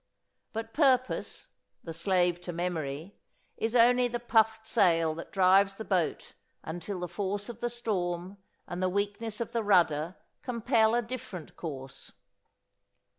But purpose, "the slave to memory," is only the puffed sail that drives the boat until the force of the storm and the weakness of the rudder compel a different course.